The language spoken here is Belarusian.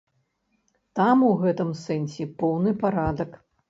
Там у гэтым сэнсе поўны парадак.